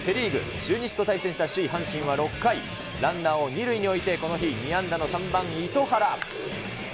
中日と対戦した首位阪神は６回、ランナーを２塁に置いて、この日２安打の３番糸原。